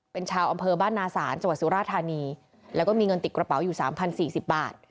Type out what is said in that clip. เป็นชาวอำเภอบ้านนาศาลจังหวัดสุราธานีแล้วก็มีเงินติดกระเป๋าอยู่๓๐๔๐บาท